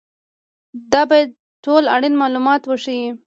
دا باید ټول اړین معلومات وښيي.